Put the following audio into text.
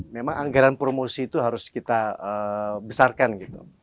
memang anggaran promosi itu harus kita besarkan gitu